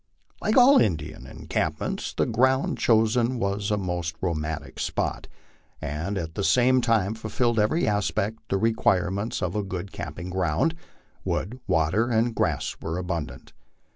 Like all Indian encampments, the ground chosen was a most romantic spot, and at the same time fulfilled in every respect the requirements of a good camping ground ; wood, water, and grass were abundant.